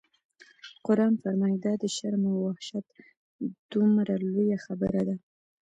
قرآن فرمایي: دا د شرم او وحشت دومره لویه خبره ده.